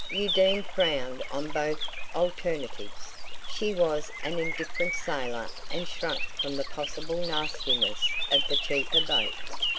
Undine frowned on both alternatives. She was an indifferent sailor and shrank from the possible "nastiness" of the cheaper boat.